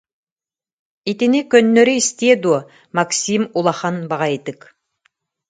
Итини көннөрү истиэ дуо, Максим улахан баҕайытык: